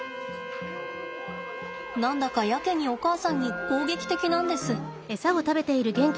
何だかやけにお母さんに攻撃的なんです。